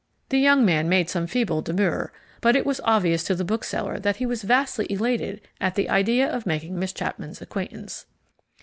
The young man made some feeble demur, but it was obvious to the bookseller that he was vastly elated at the idea of making Miss Chapman's acquaintance.